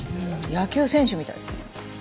野球選手みたいですね。